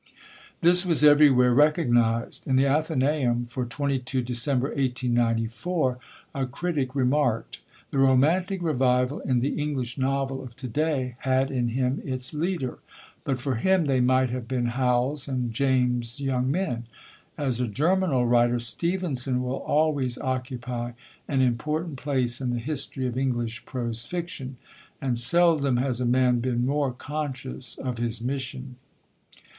This was everywhere recognised: in the Athenæum for 22 December, 1894, a critic remarked, "The Romantic Revival in the English novel of to day had in him its leader.... But for him they might have been Howells and James young men." As a germinal writer, Stevenson will always occupy an important place in the history of English prose fiction. And seldom has a man been more conscious of his mission.